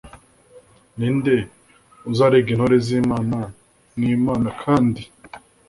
ni nde uzarega intore z imana ni imana kandi